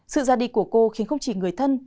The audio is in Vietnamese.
sự ra đi của cô khiến không chỉ người thân